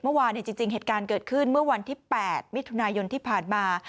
เมื่อวานจริงเหตุการณ์เกิดขึ้นเมื่อวันที่๘มิถุนายนที่ผ่านมา